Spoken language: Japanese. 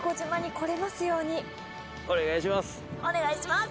お願いします！